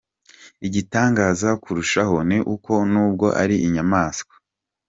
Igitangaje kurushaho ni uko nubwo ari inyamaswa.